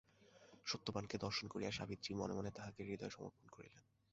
সত্যবানকে দর্শন করিয়াই সাবিত্রী মনে মনে তাঁহাকে হৃদয় সমর্পণ করিলেন।